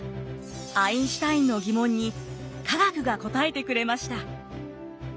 アインシュタインの疑問に科学が答えてくれました。